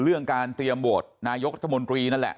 เรื่องการเตรียมโหวตนายกรัฐมนตรีนั่นแหละ